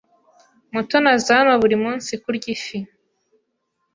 Mutoni aza hano buri munsi kurya ifi.